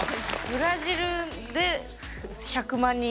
ブラジルにファン１００万人。